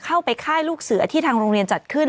ค่ายลูกเสือที่ทางโรงเรียนจัดขึ้น